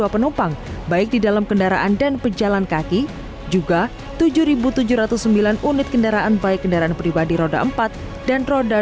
penumpang baik di dalam kendaraan dan pejalan kaki juga tujuh ribu tujuh ratus sembilan unit kendaraan baik kendaraan pribadi roda